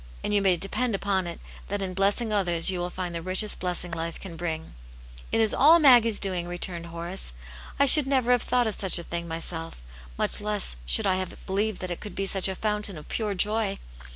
" And you may depend upon it, that in blessing others you will find the richest blessing life can bring."^ " It is all Maggie's doing," returned Horace. *' I should never have thought of such a thing myselt Much less should I have believed that it could be such a /ountain of pure joy."